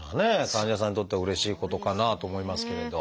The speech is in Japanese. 患者さんにとってはうれしいことかなと思いますけれど。